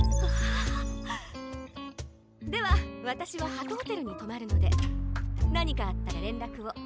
ハア！ではわたしはハトホテルにとまるのでなにかあったられんらくを。